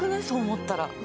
そう思ったら。